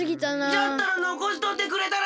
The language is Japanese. じゃったらのこしとってくれたらええのに！